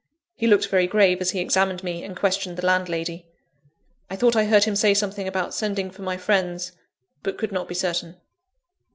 He looked very grave as he examined me and questioned the landlady. I thought I heard him say something about sending for my friends, but could not be certain.